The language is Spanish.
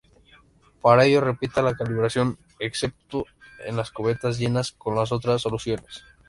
Para ello, repita la calibración, excepto con las cubetas llenas con las otras soluciones.